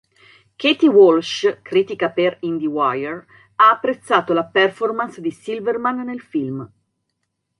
Katie Walsh, critica per Indiewire, ha apprezzato la performance di Silverman nel film.